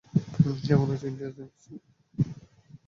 কেমন আছো ইন্ডিয়ার জেমস বন্ড?